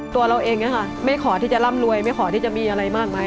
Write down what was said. ตัวเราเองไม่ขอที่จะร่ำรวยไม่ขอที่จะมีอะไรมากมาย